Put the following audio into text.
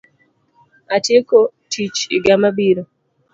Atieko tiich iga mabiro.